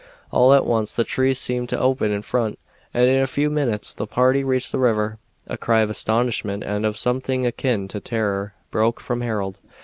All at once the trees seemed to open in front, and in a few minutes the party reached the river. A cry of astonishment and of something akin to terror broke from Harold.